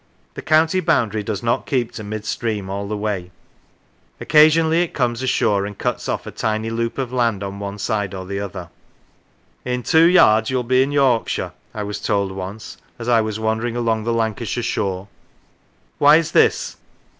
The county boundary does not keep to mid stream all the way; occasionally it comes ashore and cuts off a tiny loop of land on one side or the other. " In 127 Lancashire two yards you will be in Yorkshire," I was told once as I was wandering along the Lancashire shore. Why is this